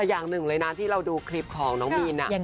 อย่างหนึ่งเลยนะที่เราดูคลิปของน้องมีน